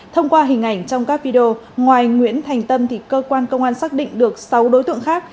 thông qua hình ảnh trong các video ngoài nguyễn thành tâm thì cơ quan công an xác định được sáu đối tượng khác